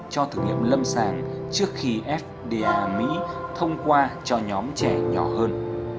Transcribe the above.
cho thử nghiệm lâm sàng trước khi fda mỹ thông qua cho nhóm trẻ nhỏ hơn